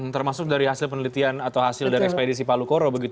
termasuk dari hasil penelitian atau hasil dari ekspedisi palu koro